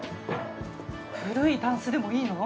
古いタンスでもいいの？